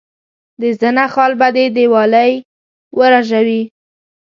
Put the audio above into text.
د زنه خال به دي دیوالۍ ورژوي.